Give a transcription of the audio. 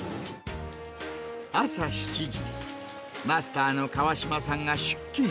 朝７時、マスターの川島さんが出勤。